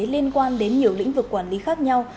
liên quan đến nhiều lĩnh vực quản lý khác nhau